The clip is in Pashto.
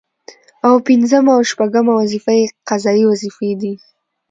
او پنځمه او شپومه وظيفه يې قضايي وظيفي دي